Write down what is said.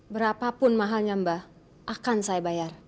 berapapun mahalnya mbak akan saya bayar